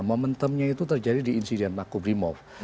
momentum nya itu terjadi di insiden pak kubrimov